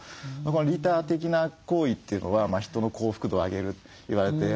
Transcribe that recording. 利他的な行為というのは人の幸福度を上げるといわれてますけれども。